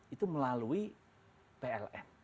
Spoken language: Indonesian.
itu melalui pln